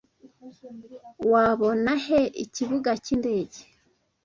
Wabona he ikibuga cyindege